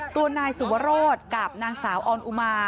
ตัวนายสุวรสกับนางสาวออนอุมา